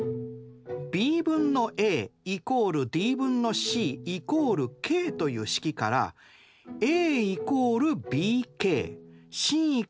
ｂ分のａ＝ｄ分のｃ＝ｋという式からａ＝ｂｋｃ＝ｄｋとなりますね？